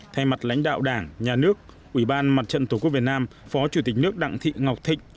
thay mặt lãnh đạo đảng nhà nước ủy ban mặt trận tổ quốc việt nam phó chủ tịch nước đặng thị ngọc thịnh